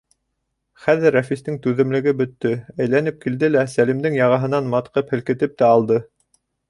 Хәҙер Рәфистең түҙемлеге бөттө, әйләнеп килде лә, Сәлимдең яғаһынан матҡып һелкетеп тә алды.